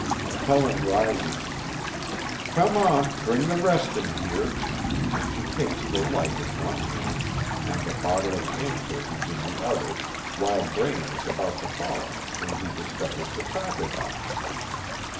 Helen rises "Come on! Bring the rest in here," and she takes the light in one hand, and the bottle of anchovies in the other, while Braine is about to follow when he discovers the cracker box.